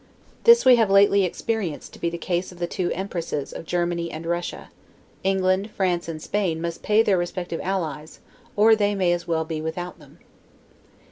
This we have lately experienced to be the case of the two empresses of Germany and Russia: England, France, and Spain, must pay their respective allies, or they may as well be without them.